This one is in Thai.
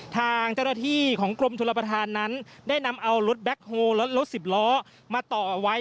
ทางเจรฐีของกรมทุลประธานนั้นได้นำเอารถแบ็คโฮล์และรถสิบล้อมาต่อไว้